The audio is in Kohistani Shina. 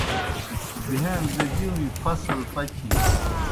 بھہیݨ دہ بِیؤݩئے فصل پکِھن۔